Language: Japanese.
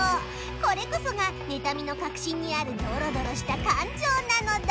これこそが、妬みの核心にあるどろどろした感情なのだ。